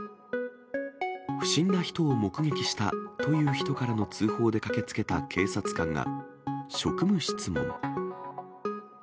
不審な人を目撃したという人からの通報で駆けつけた警察官が、職務質問。